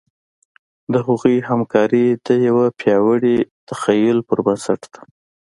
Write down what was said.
د هغوی همکاري د یوه پیاوړي تخیل پر بنسټ ده.